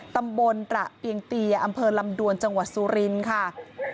ตำบลตระเปียงเตียอำเภอลำดวนจังหวัดสุรินทร์ค่ะ